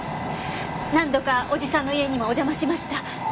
何度かおじさんの家にもお邪魔しました。